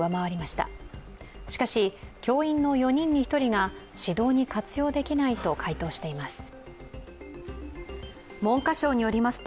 しかし、教員の４人に１人が指導に活用できないと回答しています。